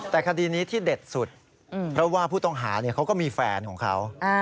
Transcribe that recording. แต่คดีนี้ที่เด็ดสุดเพราะว่าผู้ต้องหาเขาก็มีแฟนของเขา